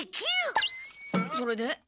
それで？